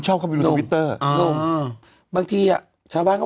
จริงไม่ได้เปิดไม่ได้เลย